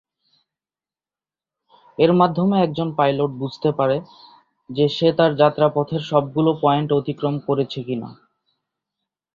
এর মাধ্যমে একজন পাইলট বুঝতে পারে যে সে তার যাত্রাপথের সবগুলো পয়েন্ট অতিক্রম করেছে কিনা।